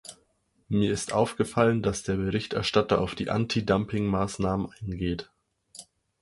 Mir ist aufgefallen, dass der Berichterstatter auf die Antidumping-Maßnahmen eingeht.